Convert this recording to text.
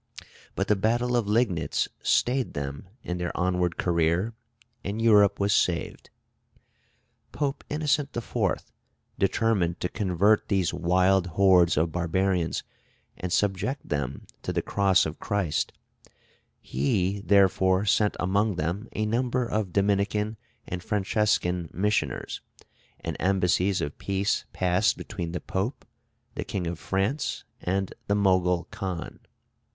But the battle of Liegnitz stayed them in their onward career, and Europe was saved. Pope Innocent IV. determined to convert these wild hordes of barbarians, and subject them to the cross of Christ; he therefore sent among them a number of Dominican and Franciscan missioners, and embassies of peace passed between the Pope, the King of France, and the Mogul Khan.